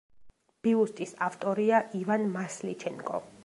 ბიუსტის ავტორია ივან მასლიჩენკო.